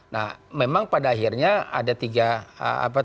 nah memang pada akhirnya ada tiga apa